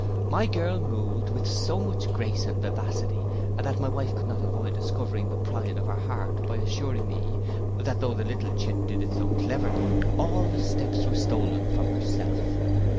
My girl moved with so much grace and vivacity, that my wife could not avoid discovering the pride of her heart, by assuring me, that though the little chit did it so cleverly, all the steps were stolen from herself.